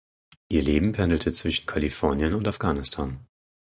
Ihr Leben pendelte zwischen Kalifornien und Afghanistan.